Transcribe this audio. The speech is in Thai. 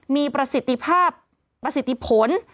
มีประสิทธิภาพประสิทธิผล